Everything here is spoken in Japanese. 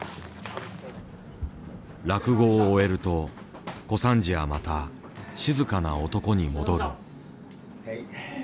落語を終えると小三治はまた静かな男に戻る。